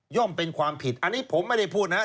ย่อมเป็นความผิดอันนี้ผมไม่ได้พูดนะฮะ